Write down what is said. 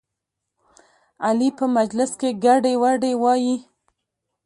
علي په مجلس کې ګډې وډې وایي.